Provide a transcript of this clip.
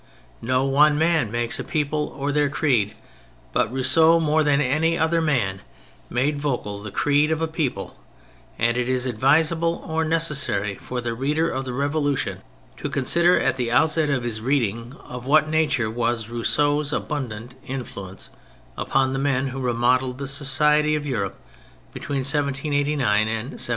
No one man makes a people or their creed, but Rousseau more than any other man made vocal the creed of a people, and it is advisable or necessary for the reader of the Revolution to consider at the outset of his reading of what nature was Rousseau's abundant in fluence upon the men who remodelled the society of Europe between 1789 and 1794.